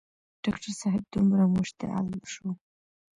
ډاکټر صاحب دومره مشتعل شو.